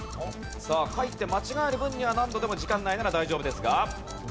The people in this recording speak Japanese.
さあ書いて間違える分には何度でも時間内なら大丈夫ですが。